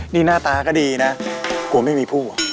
นี่หน้าตาก็ดีนะกลัวไม่มีผู้